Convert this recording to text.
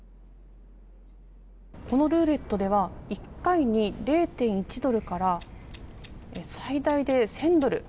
このルーレットでは１回に０．１ドルから最大で１０００ドル